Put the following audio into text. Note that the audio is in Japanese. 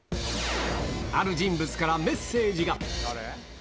ある人物からメッセージが。